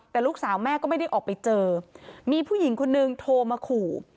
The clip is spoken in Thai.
แต่ลูกสาวแม่ก็ไม่ได้ออกไปเจอมีผู้หญิงคนนึงโทรมาขู่